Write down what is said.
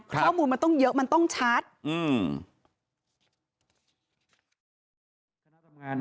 ข้อมูลมันต้องเยอะมันต้องชัดอืม